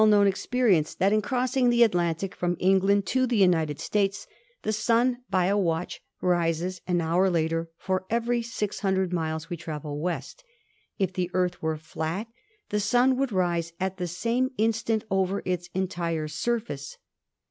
Furthermore, it is a well known experience that in crossing the Atlantic from Eng land to the United States the Sun, by a watch, rises an hour later for every 600 miles we travel west. If the Earth were flat the Sun would rise at the same instant over its entire surface.